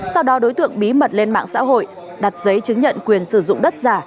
sau đó đối tượng bí mật lên mạng xã hội đặt giấy chứng nhận quyền sử dụng đất giả